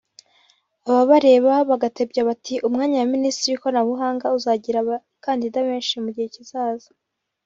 ababarebaga bagatebya bati “umwanya wa Minisitiri w’ Ikoranabuhanga uzagira abakandida benshi mu gihe kizaza